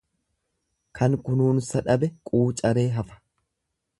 Kan kunuunsa dhabe quucaree hafa.